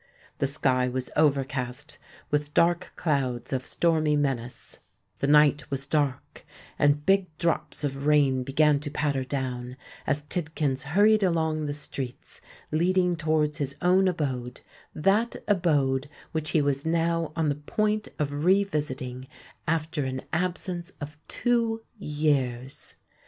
The sky was overcast with dark clouds of stormy menace: the night was dark; and big drops of rain began to patter down, as Tidkins hurried along the streets leading towards his own abode—that abode which he was now on the point of revisiting after an absence of two years!